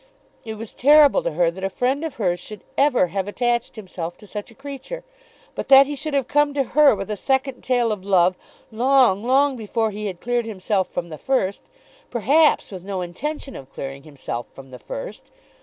It was terrible to her that a friend of hers should ever have attached himself to such a creature; but that he should have come to her with a second tale of love long, long before he had cleared himself from the first; perhaps with no intention of clearing himself from the first!